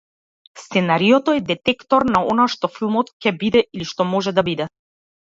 Сценариото е детектор на она што филмот ќе биде или што може да биде.